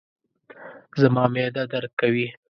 زما معده درد کوي